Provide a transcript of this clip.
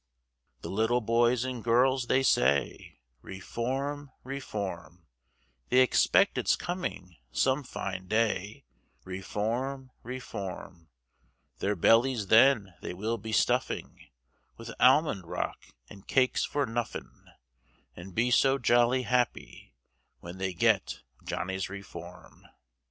The little boys and girls they say, Reform, Reform, They expect it's coming some fine day, Reform, Reform; Their bellies then they will be stuffing, With almond rock and cakes for nuffin, And be so jolly happy, When they get Johnny's Reform.